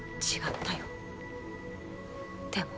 でも。